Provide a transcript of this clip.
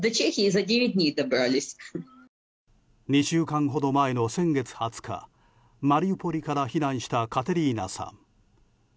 ２週間ほど前の先月２０日マリウポリから避難したカテリーナさん。